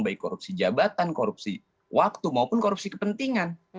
baik korupsi jabatan korupsi waktu maupun korupsi kepentingan